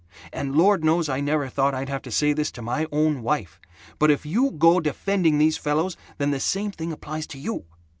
And Lord knows I never thought I'd have to say this to my own wife but if you go defending these fellows, then the same thing applies to you!